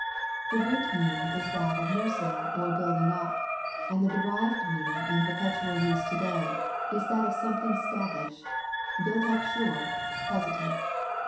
The root meaning is that of nursing, or building up, and the derived meaning in perpetual use to day is that of something stablished, built up sure, positive.